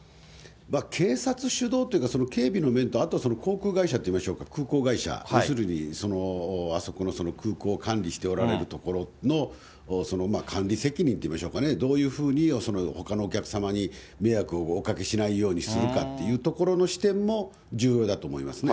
警察主導というか、警備の面と、あと航空会社といいましょうか、空港会社、要するにあそこの空港を管理しておられるところの管理責任といいましょうかね、どういうふうにほかのお客様に迷惑をおかけしないようにするかっていうところの視点も、重要だと思いますね。